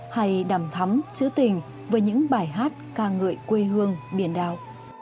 hay đàm thắm chữ tình với những bài hát ca ngợi quê hương biển đào